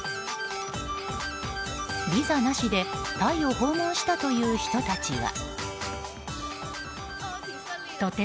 ビザなしでタイを訪問したという人たちは。